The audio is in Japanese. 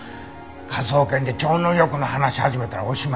科捜研で超能力の話始めたらおしまいだよ。